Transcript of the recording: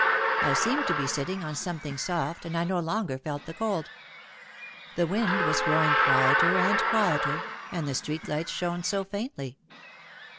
I seemed to be sitting on something soft and I no longer felt the cold. The wind was growing quieter, and quieter, and the street lights shone so faintly.